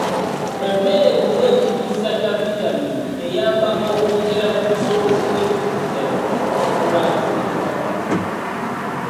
Emmere erimu ekiriisa kya vitamiini eyamba okwongera ku busobozi bw'emibiri gyaffe okulwanyisa endwadde.